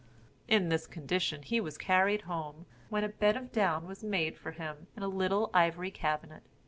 In this condition he was carried home, when a bed of down was made for him in a little ivory cabinet.